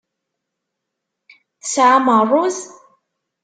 Tesɛam ṛṛuz?